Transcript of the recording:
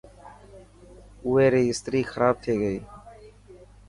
اوي ري استري کراب ٿي گئي.